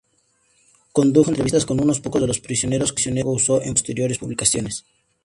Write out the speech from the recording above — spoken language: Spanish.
Condujo entrevistas con unos pocos de los prisioneros, que luego usó en posteriores publicaciones.